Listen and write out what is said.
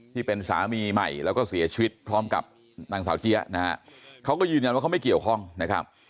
ที่เป็นสามีใหม่แล้วก็เสียชีวิตพร้อมกับนางสาวเจี๊ยะนะฮะเขาก็ยืนยันว่าเขาไม่เกี่ยวข้องนะครับ